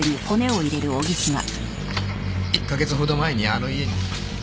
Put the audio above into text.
１か月程前にあの家に。